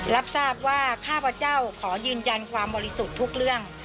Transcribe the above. รับทราบว่าข้าพเจ้าขอยืนยันความบริสุทธิ์ทุกเรื่อง